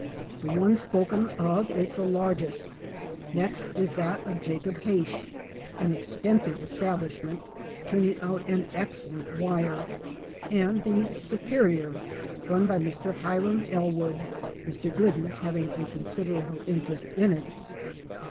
The one spoken of is the largest. Next is that of Jacob Haish, an extensive establishment, turning out an excellent wire, and the Superior, run by Mr. Hiram Ellwood, Mr. Glidden having a considerable interest in it.